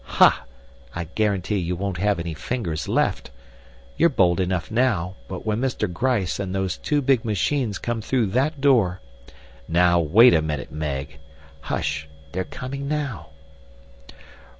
"Hah! I guarantee you won't have any fingers left. You're bold enough now, but when Mr. Gryce and those two big machines come through that door " "Now wait a minute, Meg " "Hush! They're coming now!"